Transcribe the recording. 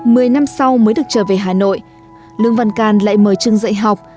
mười năm sau mới được trở về hà nội lương văn can lại mời trưng dạy học